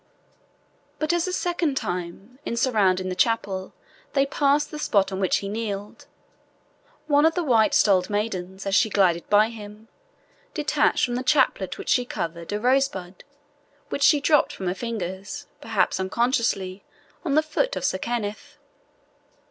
But as a second time, in surrounding the chapel, they passed the spot on which he kneeled, one of the white stoled maidens, as she glided by him, detached from the chaplet which she carried a rosebud, which dropped from her fingers, perhaps unconsciously, on the foot of Sir Kenneth.